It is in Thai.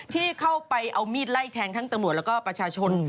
ที่เข้าไปเอามีดไล่แทงทั้งตะวัลว์ธรรมน์และประชาชน